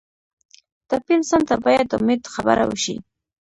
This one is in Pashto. ټپي انسان ته باید د امید خبره وشي.